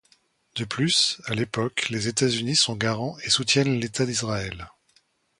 De plus, à l'époque, les États-Unis sont garants et soutiennent l'État d'Israël.